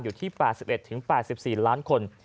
อยู่ที่๘๑๘๔ล้านคน